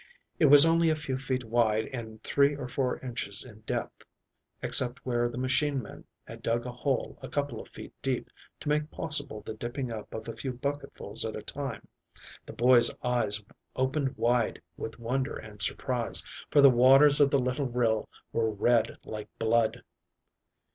It was only a few feet wide and three or four inches in depth, except where the machine men had dug a hole a couple of feet deep to make possible the dipping up of a few bucketfuls at a time. The boy's eyes opened wide with wonder and surprise, for the waters of the little rill were red like blood.